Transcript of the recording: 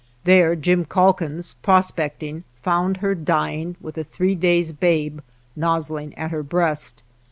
There Jim Calkins, prospecting, found her dying with a three days' babe nozzling at her breast.